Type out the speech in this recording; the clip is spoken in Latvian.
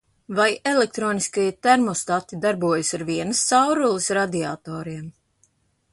Vai elektroniskie termostati darbojas ar vienas caurules radiatoriem?